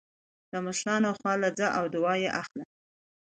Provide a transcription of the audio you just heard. د مشرانو خوا له ځه او دعا يې اخله